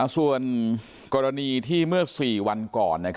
ส่วนกรณีที่เมื่อ๔วันก่อน